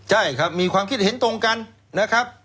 ใช่ครับมีความคิดเห็นตรงกันนะครับ